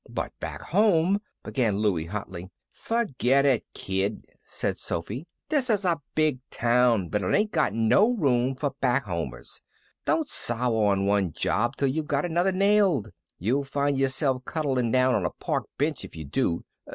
"But back home " began Louie, hotly. "Ferget it, kid," said Sophy. "This is a big town, but it ain't got no room for back homers. Don't sour on one job till you've got another nailed. You'll find yourself cuddling down on a park bench if you do.